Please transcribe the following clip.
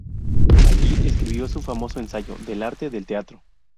Allí escribió su famoso ensayo "Del arte del teatro".